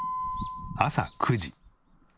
朝９時。